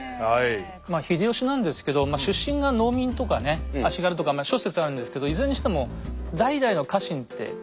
まあ秀吉なんですけど出身が農民とかね足軽とかまあ諸説あるんですけどいずれにしても代々の家臣っていないんですよ。